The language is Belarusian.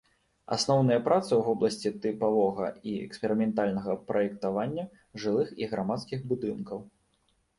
Асноўныя працы ў вобласці тыпавога і эксперыментальнага праектавання жылых і грамадскіх будынкаў.